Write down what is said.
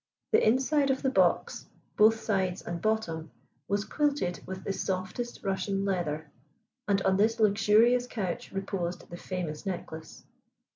The inside of the box, both sides and bottom, was quilted with the softest Russia leather, and on this luxurious couch reposed the famous necklace.